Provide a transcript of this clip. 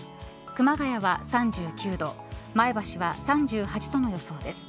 熊谷は３９度前橋は３８度の予想です。